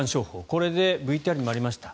これでＶＴＲにもありました